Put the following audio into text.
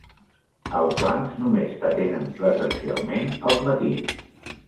Els bancs només t'atenen presencialment als matins.